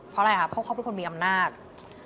เพราะอะไรครับเพราะเขาเป็นคนมีอำนาจ